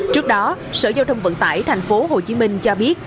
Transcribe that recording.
trước đó sở giao thông vận tải tp hcm cho biết